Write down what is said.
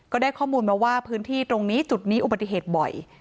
ก็ได้ข้อมูลมาว่าพื้นที่ตรงนี้จุดนี้อุบัติเหตุบ่อย